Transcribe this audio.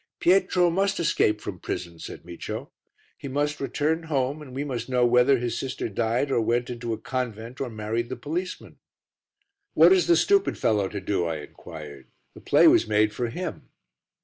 "Pietro must escape from prison," said Micio; "he must return home and we must know whether his sister died or went into a convent or married the policeman." "What is the stupid fellow to do?" I inquired, "the play was made for him."